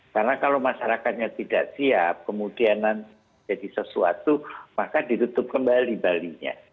karena kalau masyarakatnya tidak siap kemudian jadi sesuatu maka ditutup kembali balinya